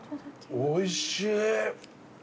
おいしい。